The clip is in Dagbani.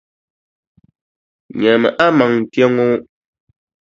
Nyami a maŋa kpe ŋɔ.